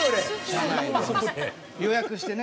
予約してね。